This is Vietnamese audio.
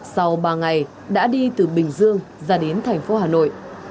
sau ba ngày đã đi từ bình dương ra đến tp hà nội